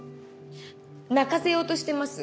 泣かせようとしてます？